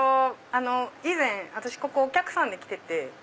以前私ここお客さんで来てて。